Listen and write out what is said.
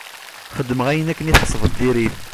Xedmeɣ ayen akken i tḥesbeḍ dir-it.